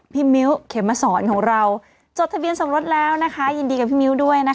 มิ้วเขมสอนของเราจดทะเบียนสมรสแล้วนะคะยินดีกับพี่มิ้วด้วยนะคะ